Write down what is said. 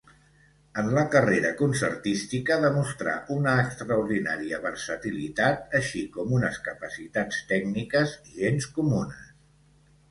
En la carrera concertística demostrà una extraordinària versatilitat, així com unes capacitats tècniques gens comunes.